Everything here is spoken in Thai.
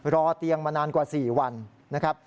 รอเตียงมานานกว่า๔วันนะครับ